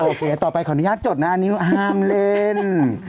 โอเคต่อไปขออนุญาตจดนะอันนี้ห้ามเล่น